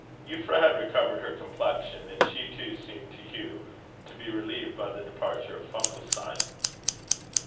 Euphra had recovered her complexion, and she too seemed to Hugh to be relieved by the departure of Funkelstein.